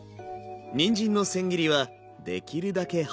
にんじんのせん切りはできるだけ細く。